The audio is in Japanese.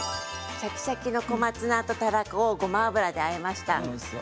シャキシャキの小松菜とたらこをごま油であえました。